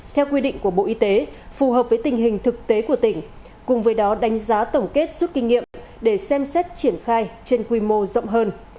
theo quy định của bộ y tế phù hợp với tình hình thực tế của tỉnh cùng với đó đánh giá tổng kết rút kinh nghiệm để xem xét triển khai trên quy mô rộng hơn